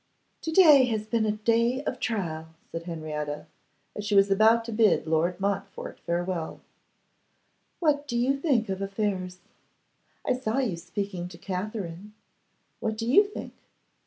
'To day has been a day of trial,' said Henrietta, as she was about to bid Lord Montfort farewell. 'What do you think of affairs? I saw you speaking to Katherine. What do you think?